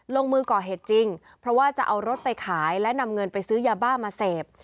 ลงมือก่อเหตุจริงเพราะว่าจะเอารถไปขายและนำเงินไปซื้อยาบ้ามาเสพ